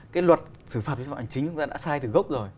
cái luật xử phạt vi phạm hành chính chúng ta đã sai từ gốc rồi